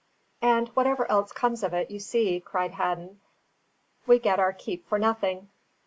"And whatever else comes of it, you see," cried Hadden, "we get our keep for nothing.